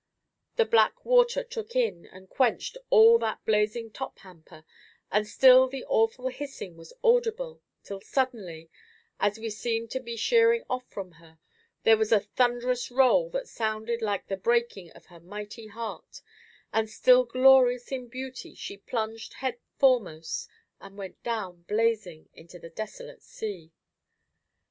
The black water took in and quenched all that blazing top hamper, and still the awful hissing was audible, till suddenly, as we seemed to be sheering off from her, there was a thunderous roll that sounded like the breaking of her mighty heart, and still glorious in beauty she plunged head foremost, and went down blazing into the desolate sea.